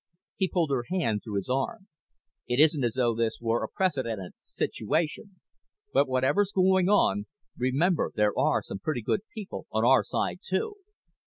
He pulled her hand through his arm. "It isn't as though this were a precedented situation. But whatever's going on, remember there are some pretty good people on our side, too."